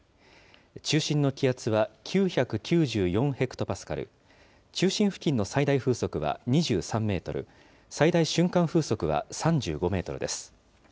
中心の気圧は９９４ヘクトパスカル、中心付近の最大風速は２３メートル、最大瞬間風速は３５メートルです。